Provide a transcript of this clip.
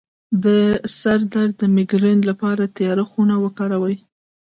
د سر درد د میګرین لپاره تیاره خونه وکاروئ